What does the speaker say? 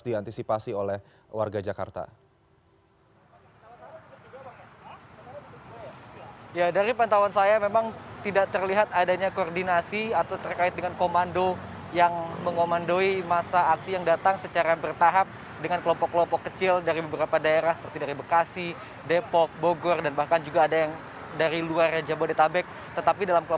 dan seperti diketahui bahwa informasi terkini aksi yang sedianya nanti siang akan berpindah ke kawasan azikra sentul juga tidak mendapatkan izin dari pihak kiasan azikra sentul juga tidak mendapatkan izin dari pihak kiasan azikra sentul juga tidak mendapatkan izin dari pihak kiasan azikra sentul juga tidak mendapatkan izin dari pihak kiasan azikra sentul